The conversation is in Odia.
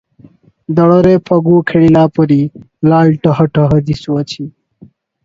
ଦୋଳରେ ଫଗୁ ଖେଳିଲାପରି ଲାଲ ଟହ ଟହ ଦିଶୁଅଛି ।